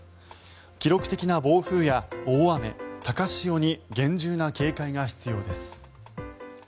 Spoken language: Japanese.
記録的な暴風や大雨、高潮に厳重な警戒が必要です。